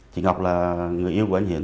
chị ngọc là người yêu của anh hiển